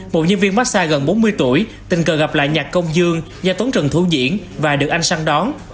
một nhân viên massag gần bốn mươi tuổi tình cờ gặp lại nhạc công dương do tốn trần thủ diễn và được anh săn đón